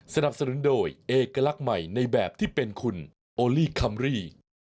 สนับสนุนโดยเอกลักษณ์ใหม่ในแบบที่เป็นคุณโอลี่คัมรี่